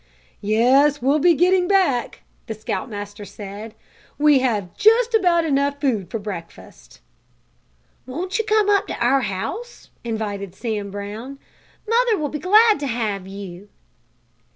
"Yes, we'll be getting back," the Scout Master said. "We have just about enough food for breakfast." "Won't you come up to our house?" invited Sam Brown. "Mother will be glad to have you."